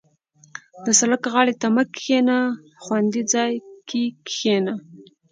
• د سړک غاړې ته مه کښېنه، خوندي ځای کې کښېنه.